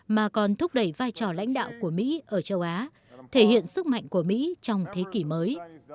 mà còn thúc đẩy vai trò lãnh đạo của mỹ ở châu á thể hiện sức mạnh của mỹ trong thế kỷ mới